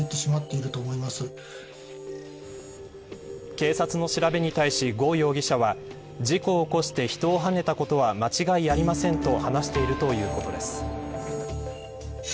警察の調べに対し、呉容疑者は事故を起こして人をはねたことは間違いありませんと話しているということです。